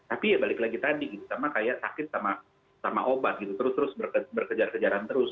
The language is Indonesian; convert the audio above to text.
tapi ya balik lagi tadi gitu sama kayak sakit sama obat gitu terus terus berkejar kejaran terus